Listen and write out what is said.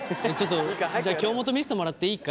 じゃ京本見せてもらっていい？